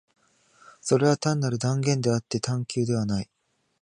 それは単なる断言であって探求ではない。